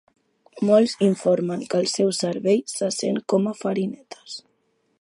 Molts informen que el seu cervell se sent com a "farinetes".